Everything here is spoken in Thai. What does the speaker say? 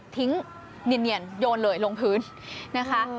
เนียนโยนเลยลงพื้นนะคะ